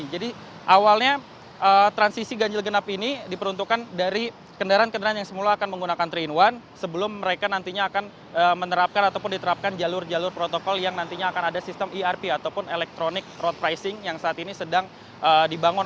awalnya transisi ganjil genap ini diperuntukkan dari kendaraan kendaraan yang semula akan menggunakan tiga in satu sebelum mereka nantinya akan menerapkan ataupun diterapkan jalur jalur protokol yang nantinya akan ada sistem erp ataupun electronic road pricing yang saat ini sedang dibangun